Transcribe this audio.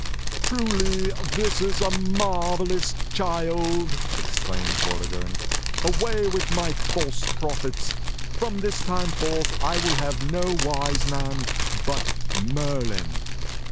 "Truly this is a marvelous child," exclaimed Vortigern. "Away with my false prophets! From this time forth I will have no Wise Man but Merlin!"